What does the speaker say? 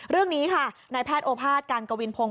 เรื่องนี้ค่ะนายแพทย์โอภาษย์การกวินพงศ